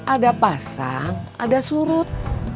ada pasang ada surut